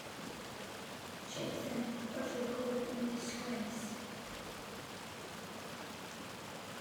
Chatham was recalled in disgrace.